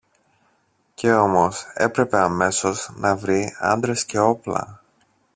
Και όμως έπρεπε αμέσως να βρει άντρες και όπλα!